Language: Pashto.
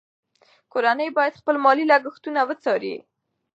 کورنۍ باید خپل مالي لګښتونه وڅاري.